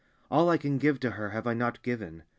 All I can give to Her have I not given?